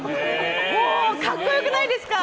もう格好良くないですか？